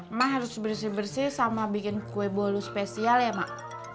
emang harus bersih bersih sama bikin kue bolu spesial ya mak